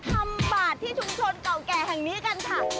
บาทที่ชุมชนเก่าแก่แห่งนี้กันค่ะ